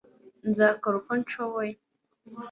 nzakora uko nshoboye